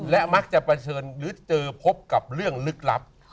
และมักจะเผชิญหรือเจอพบกับเรื่องลึกลับ